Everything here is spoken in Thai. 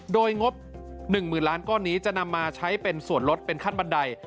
โดยงบ๑๐๐๐ล้านก้อนนี้จะนำมาใช้เป็นส่วนลดเป็นขั้นบันได